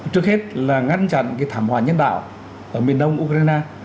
trước hết là ngăn chặn thảm họa nhân đạo ở miền đông ukraine